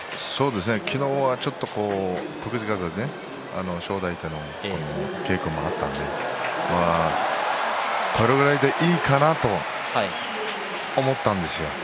昨日はちょっと正代との稽古があったのでこれぐらいでいいかなと思ったんですよ。